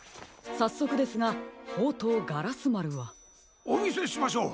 さっそくですがほうとうガラスまるは？おみせしましょう。